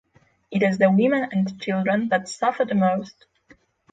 It is the women and children that suffer the most.